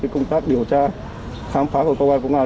công tác điều tra khám phá của công an